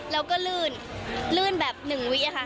แล้วก็ลื่นแบบ๑วินาทีค่ะ